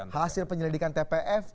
hasil penyelidikan tpf